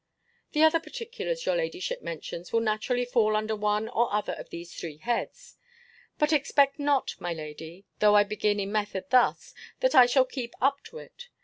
The other particulars your ladyship mentions, will naturally fall under one or other of these three heads But expect not, my lady, though I begin in method thus, that I shall keep up to it.